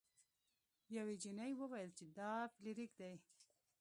یوې جینۍ وویل چې دا فلیریک دی.